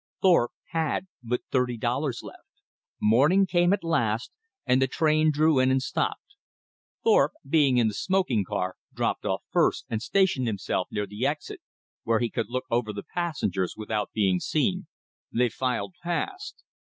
Thorpe had but thirty dollars left. Morning came at last, and the train drew in and stopped. Thorpe, being in the smoking car, dropped off first and stationed himself near the exit where he could look over the passengers without being seen. They filed past.